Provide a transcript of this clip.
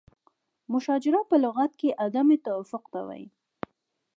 مشاجره په لغت کې عدم توافق ته وایي.